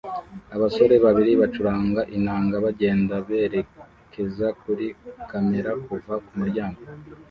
abasore babiri bacuranga inanga bagenda berekeza kuri kamera kuva kumuryango